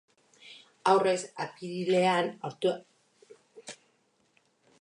Aurrez, apirilean hartutako konpromisoak beteko dituela jakinarazi die elkarteetako ordezkariei.